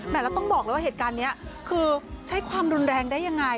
แล้วต้องบอกเลยว่าเหตุการณ์นี้คือใช้ความรุนแรงได้ยังไง